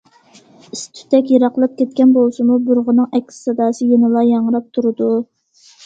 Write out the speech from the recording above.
ئىس- تۈتەك يىراقلاپ كەتكەن بولسىمۇ، بۇرغىنىڭ ئەكس ساداسى يەنىلا ياڭراپ تۇرىدۇ.